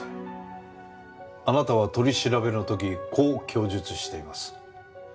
あなたは取り調べの時こう供述しています。